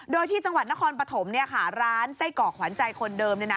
โดยที่จังหวัดนครปฐมเนี่ยค่ะร้านไส้กอกหวานใจคนเดิมเนี่ยนะ